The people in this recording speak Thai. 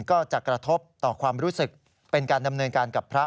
ก็จะกระทบต่อความรู้สึกเป็นการดำเนินการกับพระ